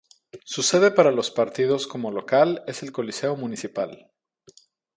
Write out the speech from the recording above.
Su sede para los partidos como local es el Coliseo Municipal.